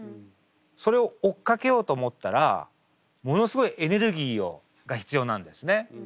それを追っかけようと思ったらものすごいエネルギーが必要なんですね。